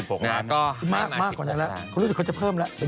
๑๖ล้านบาทมากกว่าไหนละคุณรู้สึกเขาจะเพิ่มแล้ว